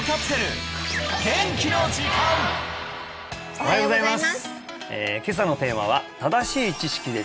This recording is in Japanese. おはようございます